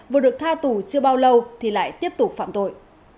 vừa được tha tù chưa bao lâu thì lại tiếp tục phạm tội